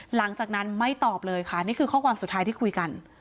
หลังจากนั้นไม่ตอบเลยค่ะนี่คือข้อความสุดท้ายที่คุยกัน